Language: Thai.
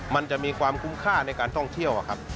มันจะมีความคุ้มค่าในการท่องเที่ยวครับ